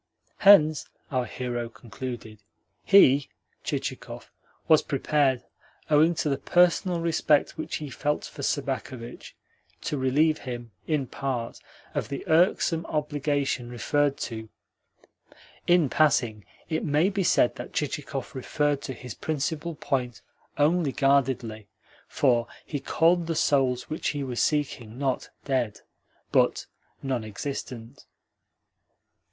Hence (our hero concluded) he (Chichikov) was prepared, owing to the personal respect which he felt for Sobakevitch, to relieve him, in part, of the irksome obligation referred to (in passing, it may be said that Chichikov referred to his principal point only guardedly, for he called the souls which he was seeking not "dead," but "non existent").